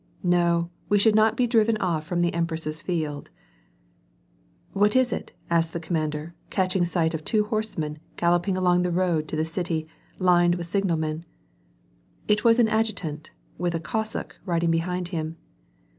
"!N^o, we should not be driven off from the Empress's Field." ♦ "What is it ?" asked the commander, catching sight of two horsemen galloping along the road to the city, lined witli sig nal men. It was an adjutant,. with a Cossack riding behind him.